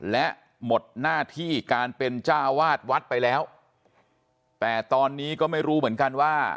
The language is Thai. และหมดหน้าที่การเป็นเจ้าวาดวัดไปแล้วแต่ตอนนี้ก็ไม่รู้เหมือนกันว่า